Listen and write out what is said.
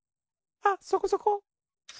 あっそこそこ。